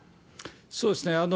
そうですね。